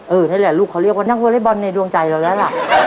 นี่แหละลูกเขาเรียกว่านักวอเล็กบอลในดวงใจเราแล้วล่ะ